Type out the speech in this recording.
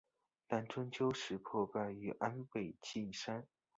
但最终石破败于安倍晋三。